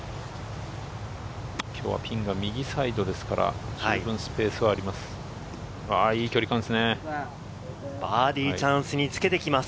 今日はピンが右サイドですから、十分スペースはあります。